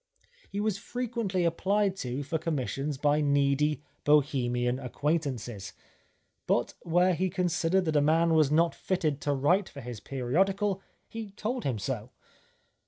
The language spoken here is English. He was frequently applied to for commissions by needy Bohemian acquaintances, but where he con sidered that a man was not fitted to write for his periodical, he told him so.